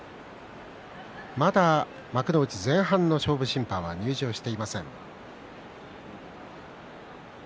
まだ幕内前半の勝負審判は入場していません。